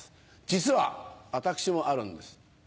実は私もあるんです。